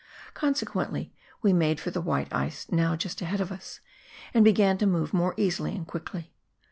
Consequently we made for the white ice now just ahead of us, and began to move more easily and quickly.